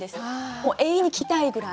もう永遠に聞きたいぐらい。